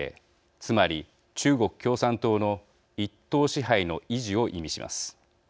つまり、中国共産党の一党支配の維持を意味します。